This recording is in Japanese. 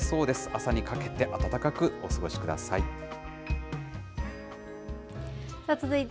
朝にかけて暖かくお過ごしください。